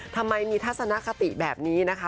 ทำไมมีทัศนคติแบบนี้นะคะ